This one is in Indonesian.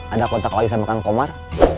ada kontak lagi sama kang komar